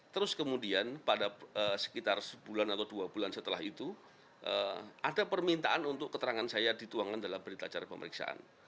terus kemudian pada sekitar sebulan atau dua bulan setelah itu ada permintaan untuk keterangan saya dituangkan dalam berita acara pemeriksaan